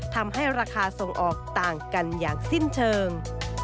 ทำให้ราคาส่งออกต่างกันอย่างสิ้นเชิง